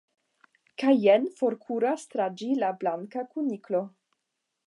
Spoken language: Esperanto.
kaj jen forkuras tra ĝi la Blanka Kuniklo.